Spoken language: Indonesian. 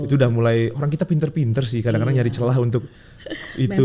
itu udah mulai orang kita pinter pinter sih kadang kadang nyari celah untuk itu